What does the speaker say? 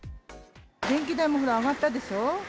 電気代も、ほら、上がったでしょう。